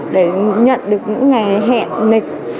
để nhận được những ngày hẹn nịch